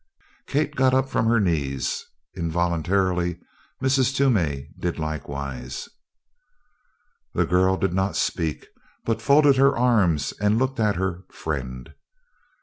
Kate got up from her knees; involuntarily Mrs. Toomey did likewise. The girl did not speak but folded her arms and looked at her "friend."